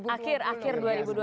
akhir akhir dua ribu dua puluh